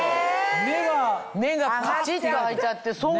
目がパチっと開いちゃって。